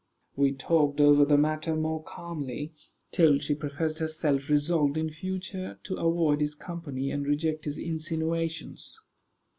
We talked over the matter more calmly, till she professed herself resolved in future to avoid his company, and reject his insinuations.